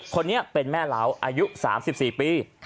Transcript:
คนนี้เป็นแม่เหล้าอายุ๓๔ปี